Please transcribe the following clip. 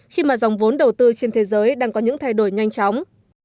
khi mà dòng vốn đầu tư trên thế giới đang có những thay đổi nhanh chóng